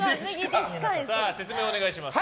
説明、お願いします。